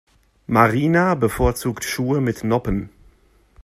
Marina bevorzugt Schuhe mit Noppen.